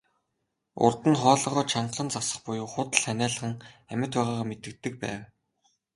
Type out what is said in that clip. Урьд нь хоолойгоо чангахан засах буюу худал ханиалган амьд байгаагаа мэдэгддэг байв.